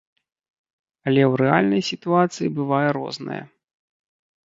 Але ў рэальнай сітуацыі бывае рознае.